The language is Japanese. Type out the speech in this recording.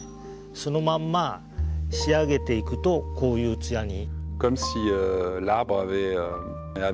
そのまんま仕上げていくとこういうつやに。